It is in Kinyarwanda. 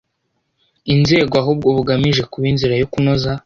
inzego ahubwo bugamije kuba inzira yo kunoza